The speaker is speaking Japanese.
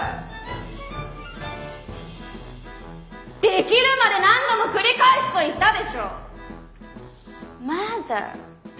できるまで何度も繰り返すと言ったでしょう？